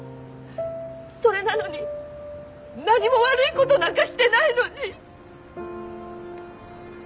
それなのに何も悪い事なんかしてないのに。